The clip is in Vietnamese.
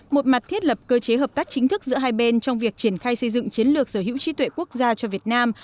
một mặt thiết lập cơ chế hợp tác chính thức giữa hai bên trong việc triển khai xây dựng chiến lược sở hữu trí tuệ quốc gia cho việt nam